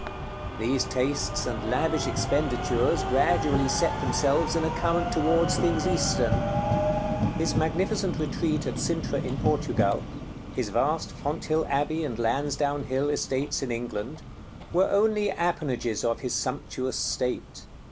These tastes and lavish expenditures gradually set themselves in a current toward things Eastern. His magnificent retreat at Cintra in Portugal, his vast Fonthill Abbey and Lansdowne Hill estates in England, were only appanages of his sumptuous state.